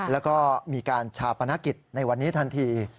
แล้วก็มีการชาปนกิจในวันนี้ทันที